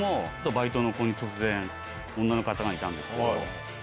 バイトの子に突然女の方がいたんですけど。